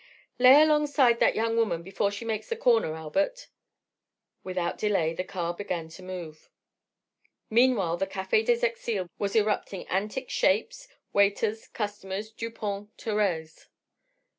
"Lay alongside that young woman before she makes the corner, Albert!" Without delay the car began to move. Meanwhile, the Café des Exiles was erupting antic shapes, waiters, customers, Dupont, Thérèse.